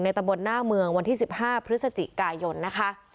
ตะบนหน้าเมืองวันที่๑๕พฤศจิกายนนะคะ